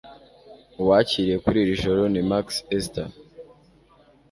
Uwakiriye kuri iri joro ni Max Astor